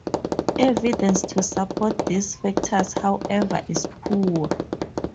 Evidence to support these factors however is poor.